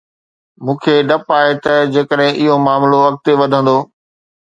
مون کي ڊپ آهي ته جيڪڏهن اهو معاملو اڳتي وڌندو.